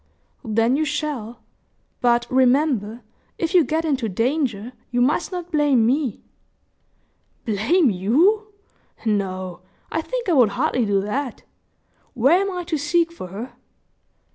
"Then you shall; but, remember, if you get into danger, you must not blame me." "Blame you! No, I think I would hardly do that. Where am I to seek for her?"